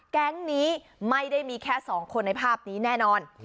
แก๊งนี้ไม่ได้มีแค่สองคนในภาพนี้แน่นอน